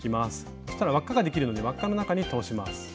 そしたら輪っかができるので輪っかの中に通します。